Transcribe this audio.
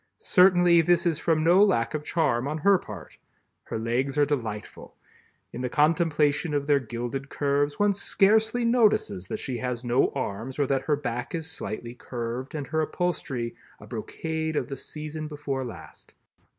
Certainly this is from no lack of charm on her part. Her legs are delightful. In the contemplation of their gilded curves, one scarcely notices that she has no arms or that her back is slightly curved, and her upholstery, a brocade of the season before last.